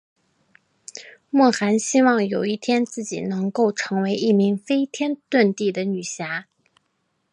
莫涵希望有一天自己能够成为一名飞天遁地的女侠。